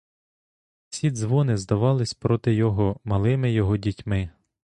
Всі дзвони здавались проти його малими його дітьми.